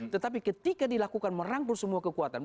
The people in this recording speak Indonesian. tetapi ketika dilakukan merangkul semua kekuatan